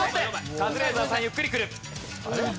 カズレーザーさんゆっくり来る。